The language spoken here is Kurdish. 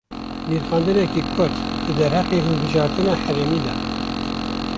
Nirxandineke kurt, di derheqê hilbijartina herêmî de